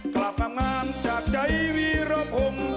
กลับมางานจากใจวีรพงศ์